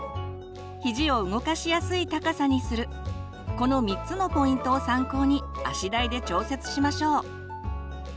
この３つのポイントを参考に足台で調節しましょう。